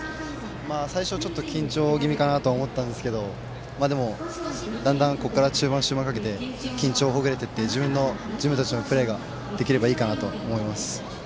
最初は、ちょっと緊張気味かなと思ったんですがだんだんここから中盤、終盤にかけて緊張がほぐれていって自分たちのプレーができればいいかなと思っています。